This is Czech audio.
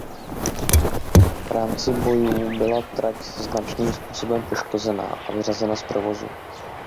V rámci bojů byla trať značným způsobem poškozena a vyřazena z provozu.